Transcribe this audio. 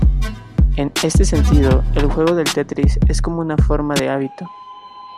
En este sentido, el juego del Tetris es como una forma de hábito.